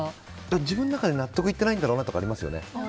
自分の中で納得いってないんだろうなというのはありますよね。